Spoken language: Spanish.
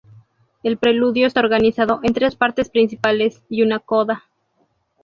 El preludio está organizado en tres partes principales y una coda.